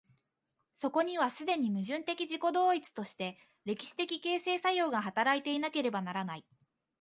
そこには既に矛盾的自己同一として歴史的形成作用が働いていなければならない。